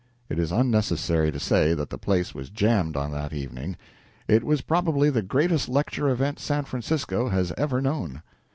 It is unnecessary to say that the place was jammed on that evening. It was probably the greatest lecture event San Francisco has ever known.